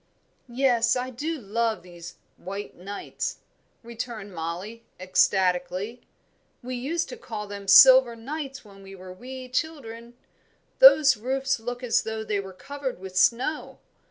"Yes, I do love these 'white nights,'" returned Mollie, ecstatically. "We used to call them silver nights when we were wee children. Those roofs look as though they were covered with snow.